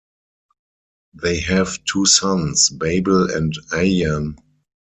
They have two sons, Babil and Ayan.